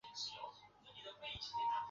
父权指以成年男性为中心的权力。